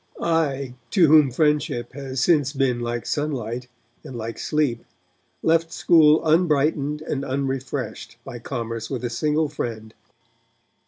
I, to whom friendship has since been like sunlight and like sleep, left school unbrightened and unrefreshed by commerce with a single friend.